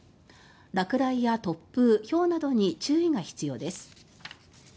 落雷や突風、ひょうなどに注意が必要です。